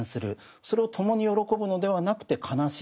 それを共に喜ぶのではなくて悲しむ。